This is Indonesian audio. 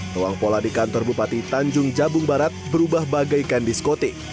ruang pola di kantor bupati tanjung jabung barat berubah bagaikan diskotik